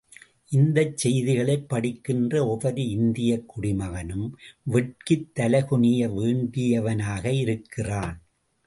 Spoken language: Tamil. இந்தச் செய்திகளைப் படிக்கின்ற ஒவ்வொரு இந்தியக் குடிமகனும் வெட்கித் தலைகுனிய வேண்டியவனாக இருக்கிறான்.